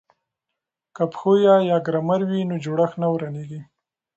که پښویه یا ګرامر وي نو جوړښت نه ورانیږي.